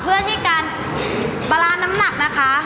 เพื่อที่การบารานน้ำหนักนะคะ